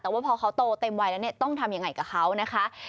แต่ว่าพอเขาโตเต็มวัยแล้วเนี่ยต้องทำยังไงกับเขานะคะ